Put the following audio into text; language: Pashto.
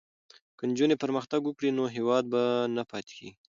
که نجونې پرمختګ وکړي نو هیواد به نه پاتې کېږي.